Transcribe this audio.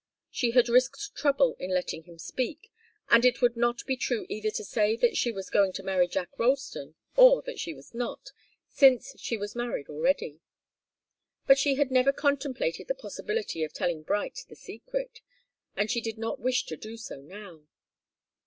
She had risked trouble in letting him speak, and it would not be true either to say that she was going to marry Ralston or that she was not, since she was married already. But she had never contemplated the possibility of telling Bright the secret, and she did not wish to do so now.